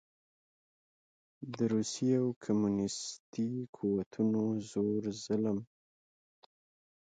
د روسي او کميونسټو قوتونو زور ظلم